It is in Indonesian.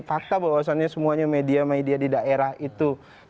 fakta bahwasannya semuanya media media di daerah itu